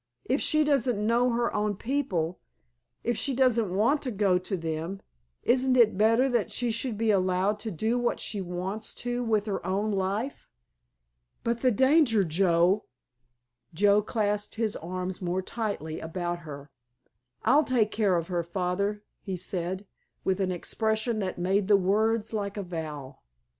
If she doesn't know her own people—if she doesn't want to go to them—isn't it better that she should be allowed to do what she wants to with her own life?" "But the danger, Joe——" Joe clasped his arms more tightly about her. "I'll take care of her, Father," he said, with an expression that made the words like a vow.